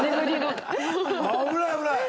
危ない危ない！